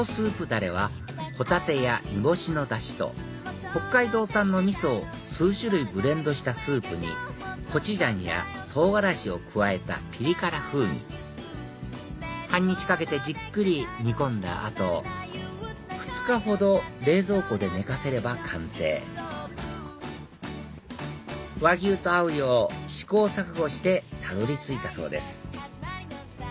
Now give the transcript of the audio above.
だれはホタテや煮干しのダシと北海道産の味噌を数種類ブレンドしたスープにコチュジャンや唐辛子を加えたピリ辛風味半日かけてじっくり煮込んだ後２日ほど冷蔵庫で寝かせれば完成和牛と合うよう試行錯誤してたどり着いたそうです